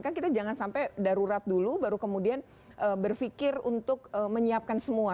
kan kita jangan sampai darurat dulu baru kemudian berpikir untuk menyiapkan semua